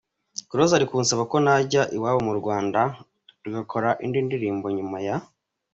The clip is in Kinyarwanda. Close ari kunsaba ko najya iwabo mu Rwanda tugakorana indi ndirimbo nyuma ya.